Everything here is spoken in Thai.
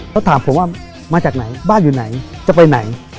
เขาถามผมว่ามาจากไหนบ้านอยู่ไหนจะไปไหน